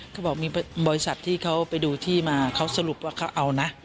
เขาบอกมีบริษัทที่เขาไปดูที่มาเขาสรุปว่าเขาเอานะ